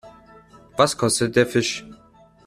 Was kostet der Fisch?